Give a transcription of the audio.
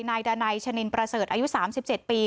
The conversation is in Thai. นายดานัยชนินประเสริฐอายุ๓๗ปี